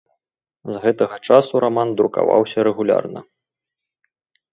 З гэтага часу раман друкаваўся рэгулярна.